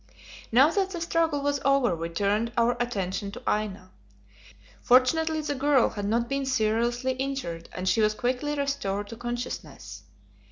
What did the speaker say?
Now that the struggle was over we turned our attention to Aina. Fortunately the girl had not been seriously injured and she was quickly restored to consciousness.